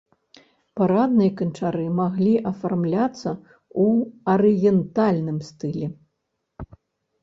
Парадныя канчары маглі афармляцца ў арыентальным стылі.